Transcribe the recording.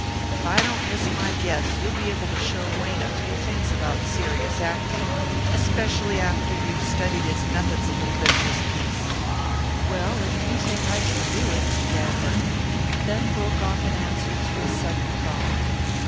If I don't miss my guess, you'll be able to show Wayne a few things about serious acting especially after you've studied his methods a little bit in this piece." "Well, if you think I can do it," began Merton, then broke off in answer to a sudden thought.